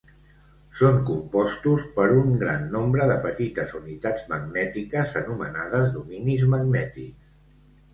Són compostos per un gran nombre de petites unitats magnètiques anomenades dominis magnètics.